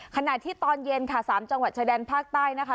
ขณะที่ตอนเย็นค่ะ๓จังหวัดชายแดนภาคใต้นะคะ